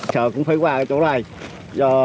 chợ cũng phải qua chỗ này